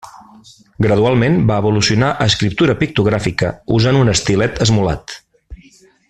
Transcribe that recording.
Gradualment va evolucionar a escriptura pictogràfica usant un estilet esmolat.